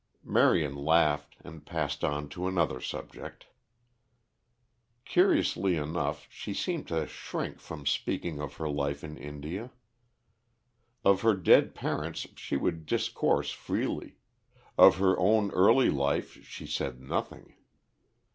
Marion laughed and passed on to another subject. Curiously enough, she seemed to shrink from speaking of her life in India. Of her dead parents she would discourse freely; of her own early life she said nothing.